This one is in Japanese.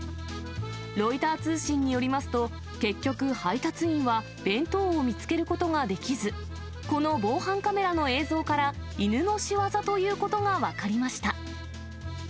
ロイター通信によりますと、結局、配達員は弁当を見つけることができず、この防犯カメラの映像から、犬の仕業ということが分かりました。